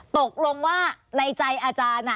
ตกลงว่าในใจอาจารย์